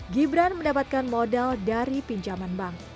gibran mendapatkan modal dari pinjaman bank